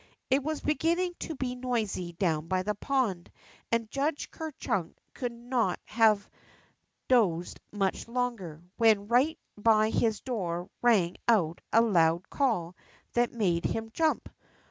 '' It was beginning to be noisy down by the pond, and Judge Ker Chunk could not have dozed much longer, when right by his door rang out a loud call that made him jump.